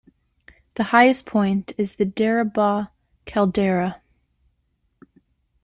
The highest point is Deriba Caldera.